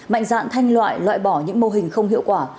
mạnh dạn thanh loại loại bỏ những mô hình không hiệu quả